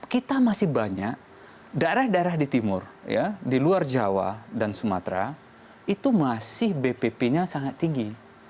kita masih banyak daerah daerah di timur di luar jawa dan sumatera itu masih bpp nya sangat tinggi